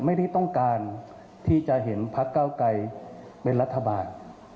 ไม่ได้ต้องการที่จะเห็นพักเก้าไกรเป็นรัฐบาล